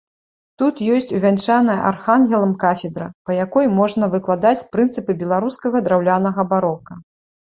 Тут ёсць увянчаная архангелам кафедра, па якой можна выкладаць прынцыпы беларускага драўлянага барока.